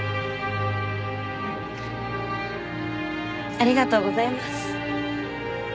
ありがとうございます。